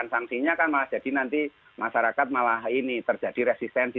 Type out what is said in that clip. sanksinya kan malah jadi nanti masyarakat malah ini terjadi resistensi